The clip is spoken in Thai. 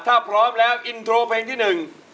ถ้าพร้อมแล้วอินโทรเพลงที่หนึ่ง